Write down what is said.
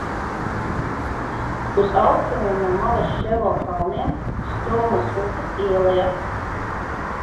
Uz austrumiem no Malaševo kalniem – Strumas upes ieleja.